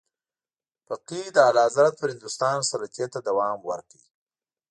فقید اعلیحضرت پر هندوستان سلطې ته دوام ورکړ.